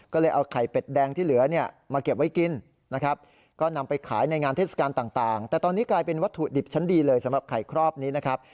ก็เลยเอาไข่เป็ดแดงที่เหลือเนี่ยมาเก็บไว้กินนะครับก็นำไปขายในงานเทศกาลต่างแต่ตอนนี้กลายเป็นวัตถุดิบชั้นดีเลยสำหรับไข่ครอบนี้นะครับ